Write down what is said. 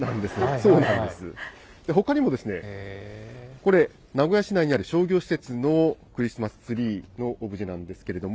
そうなんです、ほかにもですね、これ、名古屋市内にある商業施設のクリスマスツリーのオブジェなんですけれども。